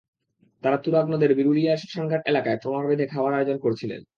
তাঁরা তুরাগ নদের বিরুলিয়ার শ্মশানঘাট এলাকায় ট্রলার বেঁধে খাওয়ার আয়োজন করছিলেন।